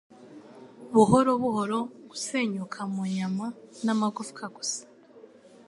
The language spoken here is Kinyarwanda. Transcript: buhoro buhoro gusenyuka mu nyama n'amagufwa gusa